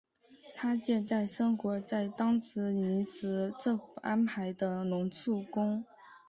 他现在生活在当时临时政府安排的龙树宫。